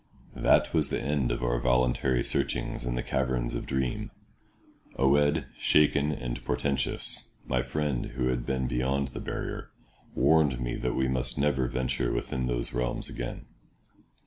That was the end of our voluntary searchings in the caverns of dream. Awed, shaken, and portentous, my friend who had been beyond the barrier warned me that we must never venture within those realms again.